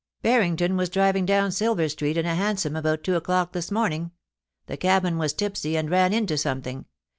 Barrington was driving down Silver Street in a hansom, about two o'clock this morning. The cabman was tipsy, and ran into something.